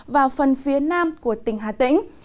và phần phía nam của tỉnh hà tĩnh